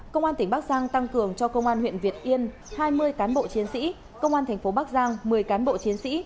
công an tỉnh bắc giang tăng cường cho công an huyện việt yên hai mươi cán bộ chiến sĩ công an thành phố bắc giang một mươi cán bộ chiến sĩ